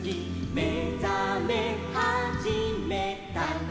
「めざめはじめた」「」